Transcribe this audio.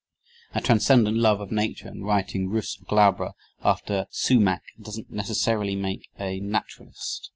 A transcendent love of Nature and writing "Rhus glabra" after sumac doesn't necessarily make a naturalist.